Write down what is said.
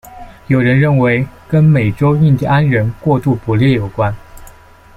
有人认为跟美洲印第安人过度捕猎有关。